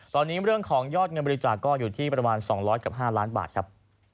ตอนนี้เรื่องของยอดเงินบริจาคก็อยู่ที่ประมาณ๒๐๐กับ๕ล้านบาทครับ